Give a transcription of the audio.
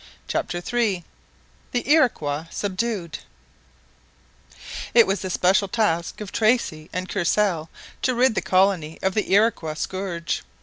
CHAPTER III THE IROQUOIS SUBDUED It was the special task of Tracy and Courcelle to rid the colony of the Iroquois scourge.